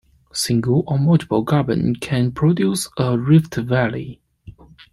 Single or multiple graben can produce a rift valley.